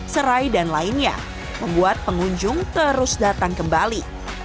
serai dan lainnya membuat pengunjung terus datang kembali